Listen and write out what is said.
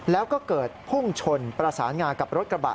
แล้วก็เกิดพุ่งชนประสานงากับรถกระบะ